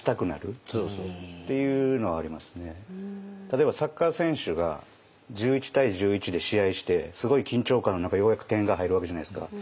例えばサッカー選手が１１対１１で試合してすごい緊張感の中ようやく点が入るわけじゃないですか。